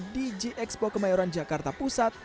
di g expo kemayoran jakarta pusat